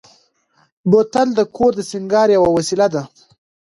بوتل د کور د سینګار یوه وسیله ده.